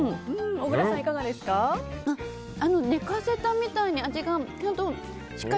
小倉さん、いかがですか？